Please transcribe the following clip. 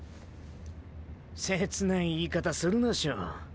切ない言い方するなショ。